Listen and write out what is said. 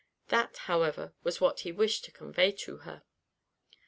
That, however, was what he wished to convey to her.